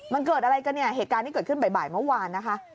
มันเกิดอะไรกันเนี่ยเหตุการณ์ที่เกิดขึ้นบ่ายเมื่อวานนะคะ